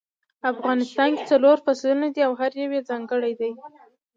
افغانستان کې څلور فصلونه دي او هر یو ځانګړی ده